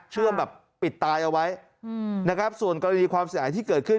เชื่อมแบบปิดตายเอาไว้นะครับส่วนกรณีความเสียหายที่เกิดขึ้น